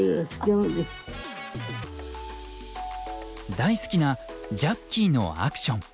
大好きな「ジャッキーのアクション」。